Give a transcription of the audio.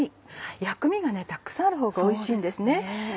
薬味がたくさんあるほうがおいしいんですね。